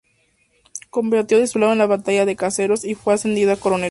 Combatió de su lado en la batalla de Caseros, y fue ascendido a coronel.